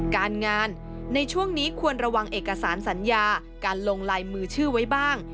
การงานในช่วงนี้ควรระวังเอกสารสัญญาการลงลายมือชื่อไว้บ้าง